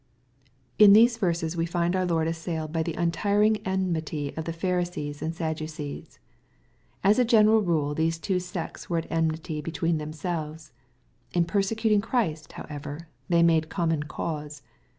In these verses we find our Lord assailed by the untiring enmity of the Pharisees and Sadducees. As a general rule these two sects were at enmity between themselves. In persecuting Christ, however, they made common cause.